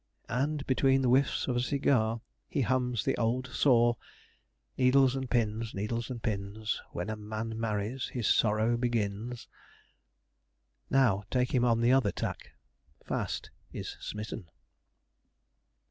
And between the whiffs of a cigar he hums the old saw 'Needles and pins, needles and pins, When a man marries his sorrow begins.' Now take him on the other tack Fast is smitten.